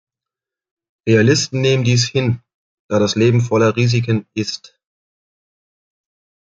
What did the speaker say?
Realisten nehmen dies hin, da das Leben voller Risiken ist.